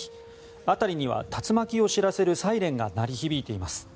辺りには竜巻を知らせるサイレンが鳴り響いています。